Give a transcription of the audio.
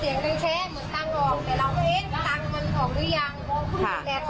แต่เขาวิ่งออกมาหรือเขาวิ่งมาพึ่งแล้วก็หยิบตังค์ไปเลยแต่เขาพูดว่าผมกดตังค์หนึ่งหยิบตังค์ไป